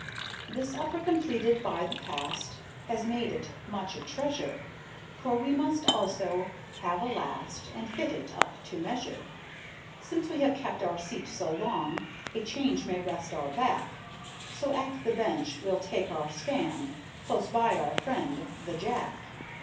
This upper completed by the past, Has made it much a treasure, For we must also have a last, And fit it up to measure. Since we have kept our seat so long, A change may rest our back; So at the bench we'll take our stand, Close by our friend, the jack.